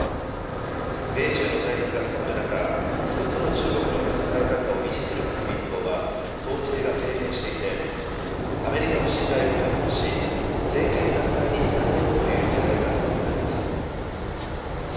米中の対立が深まる中、１つの中国の考え方を維持する国民党は党勢が低迷していてアメリカの信頼を回復し政権奪回につなげようというねらいがあると見られます。